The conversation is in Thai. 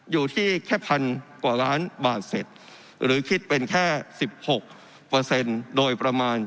อยู่ที่แค่พันกว่าล้านบาทเสร็จหรือคิดเป็นแค่๑๖โดยประมาณ